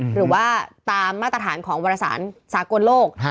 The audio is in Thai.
หรือว่าตามมาตรฐานของวรสารสากลโลก